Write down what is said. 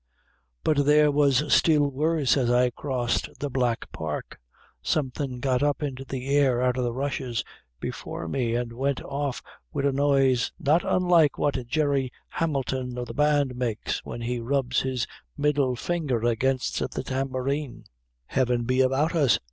But there was still worse as I crossed the Black Park; something got up into the air out o' the rushes before me, an' went off wid a noise not unlike what Jerry Hamilton of the Band makes when he rubs his middle finger up against the tamborine." "Heaven be about us!"